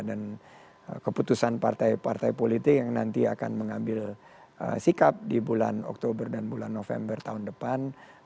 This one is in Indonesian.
dan keputusan partai partai politik yang nanti akan mengambil sikap di bulan oktober dan bulan november tahun depan